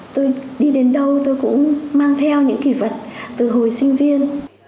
tôi đi đến đâu tôi cũng mang theo những kỷ vật từ hồi sinh viên